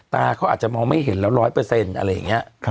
ตาเขาอาจจะมองไม่เห็นแล้ว๑๐๐อะไรอย่างนี้